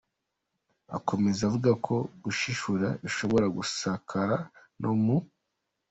Akomeza avuga ko gushishura bishobora gusakara no mu